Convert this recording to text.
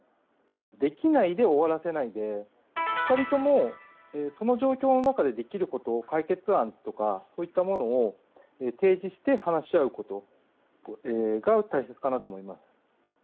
できないで終わらせないで、２人とも、その状況の中でできることを解決案とか、そういったものを提示して話し合うことが大切かなと思います。